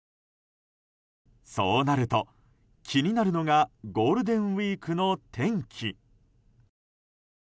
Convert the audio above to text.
そうなると、気になるのがゴールデンウィークの天気。